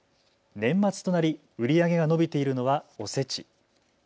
年末となり売り上げが伸びているのはおせち。